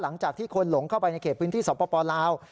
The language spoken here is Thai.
หลังจากที่คนหลงเข้าไปในเขตพื้นที่สปลาว